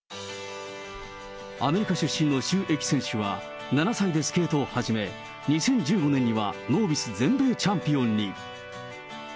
アメリカ出身の朱易選手は７歳でスケートを始め、２０１５年にはノービス全米チャンピオンに。